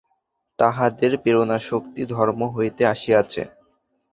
তাঁহাদের প্রেরণাশক্তি ধর্ম হইতে আসিয়াছে।